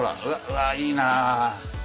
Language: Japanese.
うわいいな。